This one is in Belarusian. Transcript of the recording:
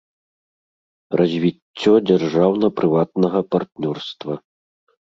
Развiццё дзяржаўна-прыватнага партнёрства.